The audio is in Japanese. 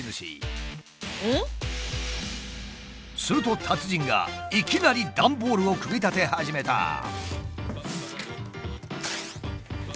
すると達人がいきなり段ボールを組み立て始めた。